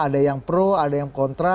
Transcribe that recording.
ada yang pro ada yang kontra